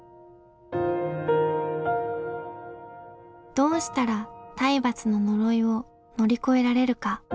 どうしたら体罰の呪いを乗り越えられるか。